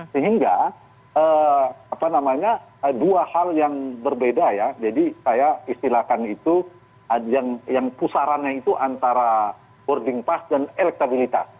sehingga dua hal yang berbeda ya jadi saya istilahkan itu yang pusarannya itu antara boarding pass dan elektabilitas